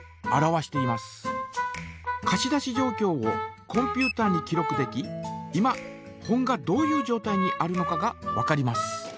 かし出しじょうきょうをコンピュータに記録でき今本がどういうじょうたいにあるのかがわかります。